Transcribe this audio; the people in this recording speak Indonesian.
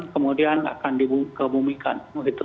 kemudian akan dibuka bumikan